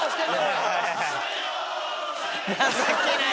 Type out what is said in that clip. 情けない！